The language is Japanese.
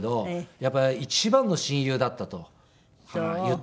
やっぱり一番の親友だったと言ってくれましたね。